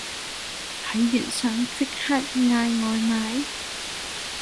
睇完想即刻嗌外賣？